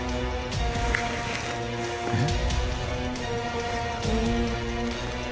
えっ？